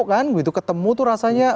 kan gitu ketemu tuh rasanya